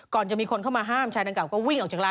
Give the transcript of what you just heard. ก่อนจะมีคนเข้ามาห้ามชายดังกล่าก็วิ่งออกจากร้าน